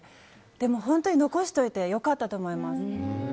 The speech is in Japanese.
でも本当に残しておいて良かったと思います。